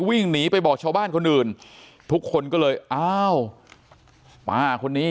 วิ่งหนีไปบอกชาวบ้านคนอื่นทุกคนก็เลยอ้าวป้าคนนี้